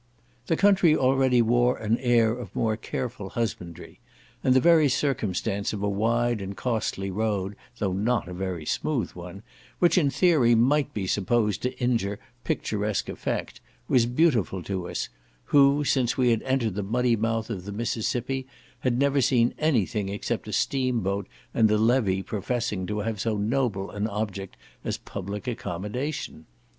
The country already wore an air of more careful husbandry, and the very circumstance of a wide and costly road (though not a very smooth one), which in theory might be supposed to injure picturesque effect, was beautiful to us, who, since we had entered the muddy mouth of the Mississippi, had never seen any thing except a steam boat and the levee professing to have so noble an object as public accommodation.